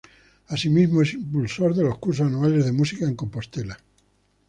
Asimismo es impulsor de los cursos anuales de Música en Compostela.